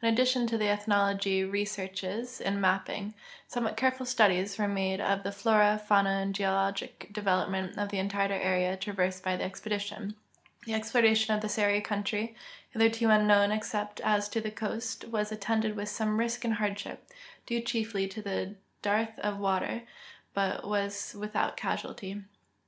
In addition to the ethnologic researches and ma])ping, somewhat careful studies were made of the flora, fauna, and geologic development of the entire area trav ersed by the expedition. The exploration of the Seri country, hitherto unknown except as to the coast, was attended with some risk and hardship, due chiefly to dearth of water, but was with out casualty.